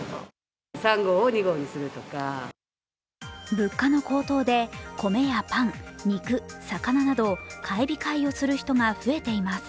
物価の高騰で米やパン、肉、魚など買い控えをする人が増えています。